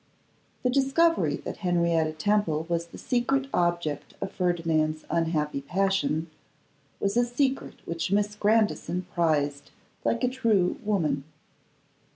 THE discovery that Henrietta Temple was the secret object of Ferdinand's unhappy passion, was a secret which Miss Grandison prized like a true woman.